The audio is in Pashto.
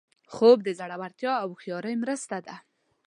خوب د زړورتیا او هوښیارۍ مرسته ده